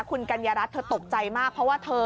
คุณกัญญารัฐเธอตกใจมากเพราะว่าเธอ